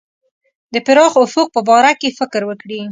د پراخ افق په باره کې فکر وکړي.